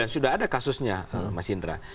sudah ada kasusnya mas indra